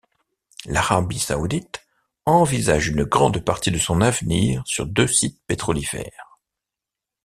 L'Arabie saoudite envisage une grande partie de son avenir sur deux sites pétrolifères.